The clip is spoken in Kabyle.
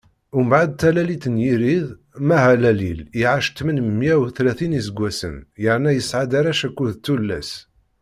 Mbeɛd talalit n Yirid, Mahalalil iɛac tmen meyya utlatin n iseggwasen, yerna yesɛa-d arrac akked tullas.